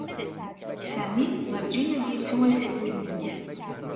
Sami werǧin ad yettu assiwel-nni.